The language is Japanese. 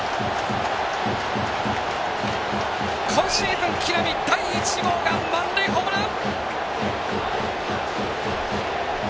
今シーズン、木浪、第１号が満塁ホームラン！